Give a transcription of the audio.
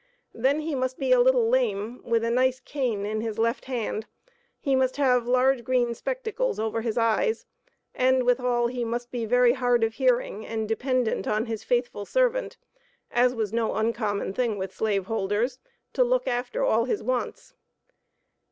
Then he must be a little lame, with a nice cane in the left hand; he must have large green spectacles over his eyes, and withal he must be very hard of hearing and dependent on his faithful servant (as was no uncommon thing with slave holders), to look after all his wants.